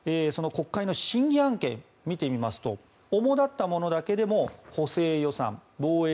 国会の審議案件を見てみますと主だったものだけでも補正予算、防衛